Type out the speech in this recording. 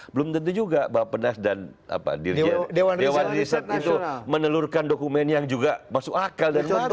belum tentu juga bapak penas dan dewan riset itu menelurkan dokumen yang juga masuk akal dan lain sebagainya